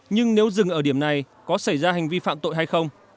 nhưng nếu dừng ở điểm này có xảy ra hành vi phạm tội hay không